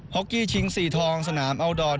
อกกี้ชิง๔ทองสนามอัลดอร์น